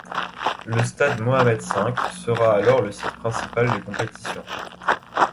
Le Stade Mohammed-V sera alors le site principal des compétitions.